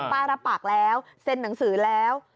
รับปากแล้วเซ็นหนังสือแล้ว